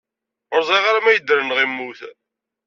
Ur ẓriɣ ara ma idder neɣ immut.